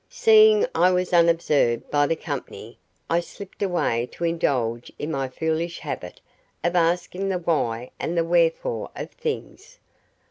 Seeing I was unobserved by the company, I slipped away to indulge in my foolish habit of asking the why and the wherefore of things.